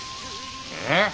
えっ？